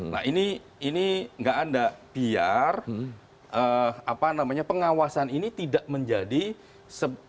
nah ini gak ada biar pengawasan ini tidak menjadi sesuatu yang berguna